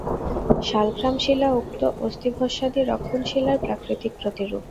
শালগ্রাম-শিলা উক্ত অস্তিভস্মাদি-রক্ষণ-শিলার প্রাকৃতিক প্রতিরূপ।